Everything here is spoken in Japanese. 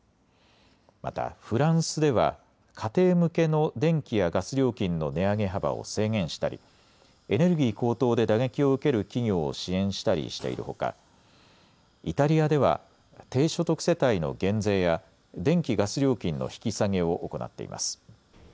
またフランスでは家庭向けの電気やガス料金の値上げ幅を制限したりエネルギー高騰で打撃を受ける企業を支援したりしているほかイタリアでは低所得世帯の減税や電気・ガス料金の引き下げを行っています。